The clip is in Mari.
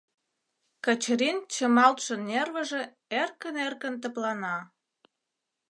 Качырин чымалтше нервыже эркын-эркын тыплана.